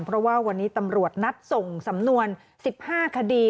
เพราะว่าวันนี้ตำรวจนัดส่งสำนวน๑๕คดี